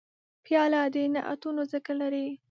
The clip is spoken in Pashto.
پیاله د نعتونو ذکر لري.